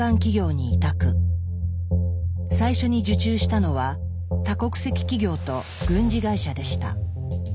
最初に受注したのは多国籍企業と軍事会社でした。